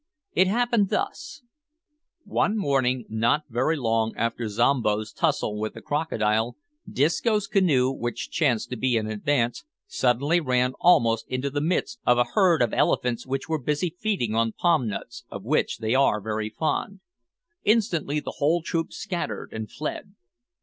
It happened thus: One morning, not very long after Zombo's tussle with the crocodile, Disco's canoe, which chanced to be in advance, suddenly ran almost into the midst of a herd of elephants which were busy feeding on palm nuts, of which they are very fond. Instantly the whole troop scattered and fled.